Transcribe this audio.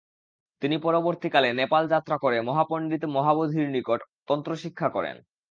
তিনি পরবর্তীকালে নেপাল যাত্রা করে মহাপণ্ডিত মহাবোধির নিকট তন্ত্রশিক্ষা করেন।